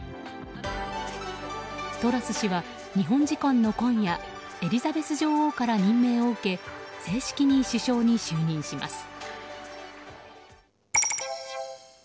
トラス氏は、日本時間の今夜エリザベス女王から任命を受け正式に首相に就任します。